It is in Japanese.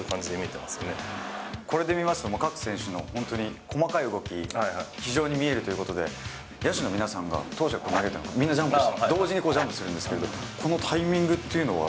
これで見ますと、各選手の本当に、細かい動き、非常に見えるということで、野手の皆さんがみんなジャンプしてる、同時にジャンプするんですけど、このタイミングっていうのは。